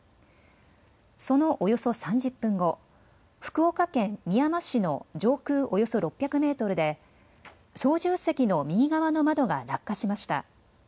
そのおよそ３０分後、福岡県みやま市の上空およそ６００メートルで操縦席の右側の窓が落下しました。